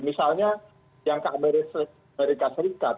misalnya yang ke amerika serikat